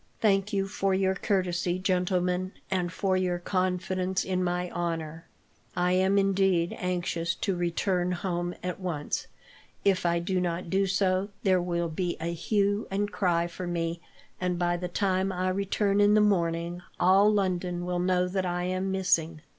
"Thank you for your courtesy, gentlemen, and for your confidence in my honour. I am, indeed, anxious to return home at once. If I do not do so, there will be a hue and cry for me, and by the time I return in the morning all London will know that I am missing.